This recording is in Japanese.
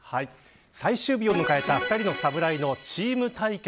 最終日を迎えた２人の侍チーム対決。